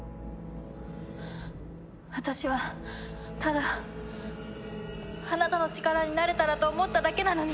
私はただあなたの力になれたらと思っただけなのに！